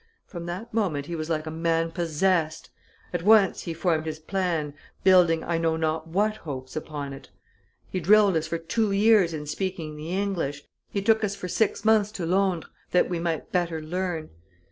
From that moment, he was like a man possessed. At once he formed his plan, building I know not what hopes upon it. He drilled us for two years in speaking the English; he took us for six months to Londres that we might better learn.